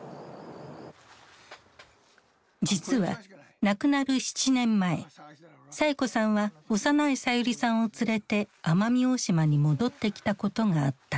実は亡くなる７年前サエ子さんは幼いさゆりさんを連れて奄美大島に戻ってきたことがあった。